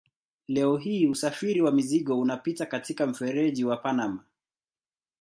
Leo hii usafiri wa mizigo unapita katika mfereji wa Panama.